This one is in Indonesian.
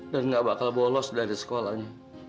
dan nggak bakal bolos dari sekolahnya